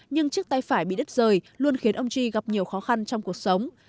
nhưng chiếc tay phải bị đứt rời luôn khiến ông chi gặp nhiều khó khăn trong cuộc sống